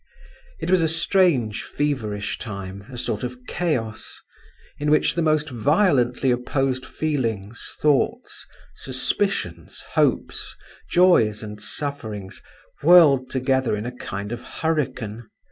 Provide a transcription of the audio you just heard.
It was a strange feverish time, a sort of chaos, in which the most violently opposed feelings, thoughts, suspicions, hopes, joys, and sufferings, whirled together in a kind of hurricane.